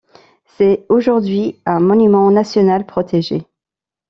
C'est aujourd'hui un monument national protégé.